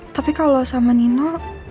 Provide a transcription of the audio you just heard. tapi kalau sama nino